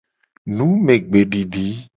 Numegbedidi.